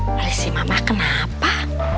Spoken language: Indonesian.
lagi si mama kenapa